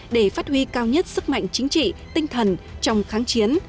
để phát huy cao nhất sức mạnh chính trị tinh thần trong kháng chiến